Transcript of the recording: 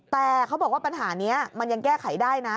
แต่เขาบอกว่าปัญหานี้มันยังแก้ไขได้นะ